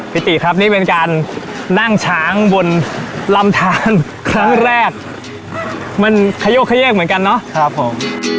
ติครับนี่เป็นการนั่งช้างบนลำทานครั้งแรกมันขโยกขยกเหมือนกันเนาะครับผม